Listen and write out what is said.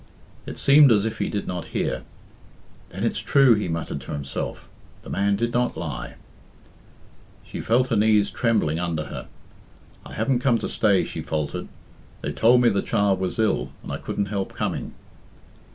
It seemed as if he did not hear. "Then it's true," he muttered to himself; "the man did not lie." She felt her knees trembling under her. "I haven't come to stay," she faltered. "They told me the child was ill, and I couldn't help coming."